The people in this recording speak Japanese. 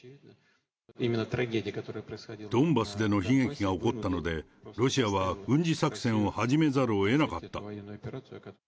ドンバスでの悲劇が起こったので、ロシアは軍事作戦を始めざるをえなかった。